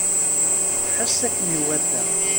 Ḥess akken iwata.